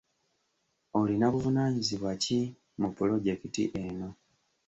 Olina buvunaanyizibwa ki mu pulojekiti eno?